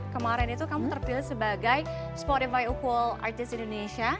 kemarin itu kamu terpilih sebagai spotify of all artists indonesia